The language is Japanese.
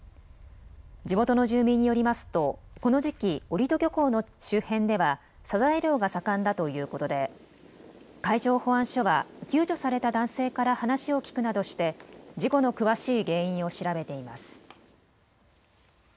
地元の住民によりますとこの時期、折戸漁港の周辺ではサザエ漁が盛んだということで海上保安署は救助された男性から話を聞くなどして事故の詳しい原因を調べています。